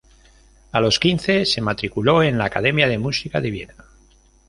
A los quince, se matriculó en la Academia de Música de Viena.